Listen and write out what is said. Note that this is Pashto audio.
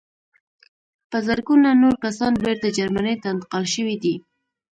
په زرګونه نور کسان بېرته جرمني ته انتقال شوي دي